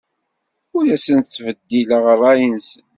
Ur asen-ttbeddileɣ ṛṛay-nsen.